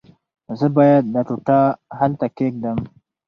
زه باید دا ټوټه هلته کېږدم.